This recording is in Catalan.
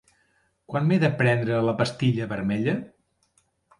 Quan m'he de prendre la pastilla vermella?